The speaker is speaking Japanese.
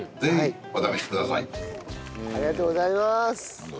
ありがとうございます。